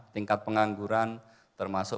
tingkat pengangguran termasuk